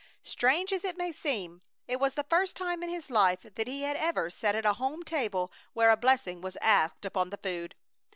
Strange as it may seem, it was the first time in his life that he had ever sat at a home table where a blessing was asked upon the food.